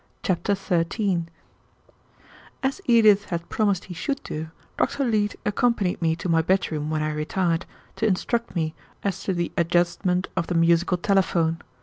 Chapter 13 As Edith had promised he should do, Dr. Leete accompanied me to my bedroom when I retired, to instruct me as to the adjustment of the musical telephone.